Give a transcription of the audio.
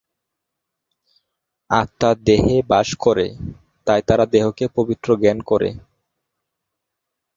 আত্মা দেহে বাস করে তাই তারা দেহকে পবিত্র জ্ঞান করে।